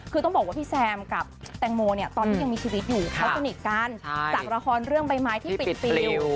คือต้องบอกว่าพี่แซมกับแตงโมเนี่ยตอนที่ยังมีชีวิตอยู่เขาสนิทกันจากละครเรื่องใบไม้ที่ปิดฟิล